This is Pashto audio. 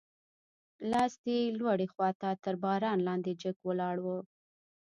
لاستي یې لوړې خواته تر باران لاندې جګ ولاړ و.